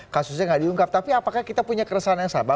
kasusnya nggak diungkap tapi apakah kita punya keresahan yang sama